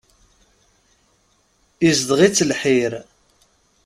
Izeddeɣ-itt lḥir.